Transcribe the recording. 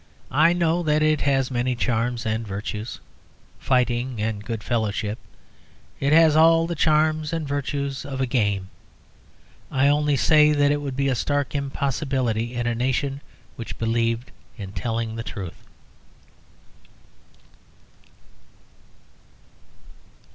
I know that it has many charms and virtues, fighting and good fellowship; it has all the charms and virtues of a game. I only say that it would be a stark impossibility in a nation which believed in telling the truth.